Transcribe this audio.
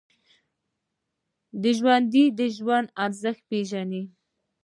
ژوندي د ژوند ارزښت پېژني